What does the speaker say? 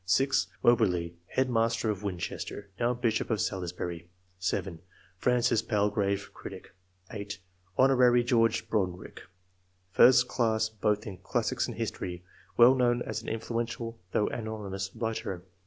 : (6) Moberly, head master of Winchester, now Bishop of Salisbury; (7) Francis Palgrave, critic ; (8) Hon. G^rge Brodrick, first class both in daaaics and history, well known as an influential 010118 writer.